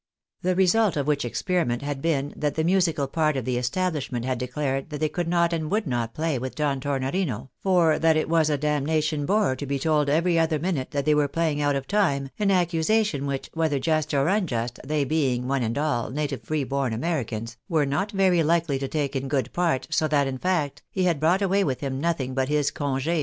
The result of which experiment had been, that the musical part of the establishment had declared that they could not and would not play with Don Tornorino, for that it was a damnation bore to be told every other minute that they were playing out of time, an accusation which, whether just or unjust, they being, one and all, native free born Americans, were not very Hkely to take in good part ; so that, in fact, he had brought away with him nothing but his conge.